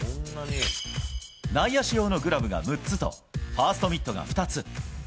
内野手用のグラブが６つと、ファーストミットが２つ。